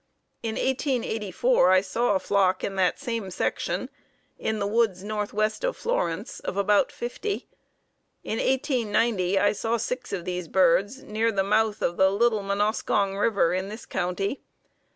In 1884 I saw a flock in that same section, in the woods northwest of Florence, of about fifty. In 1890 I six of these birds near the mouth of the Little Munoskong River in this county.